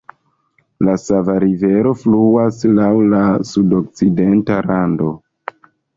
La Sava Rivero fluas laŭ la sudokcidenta rando.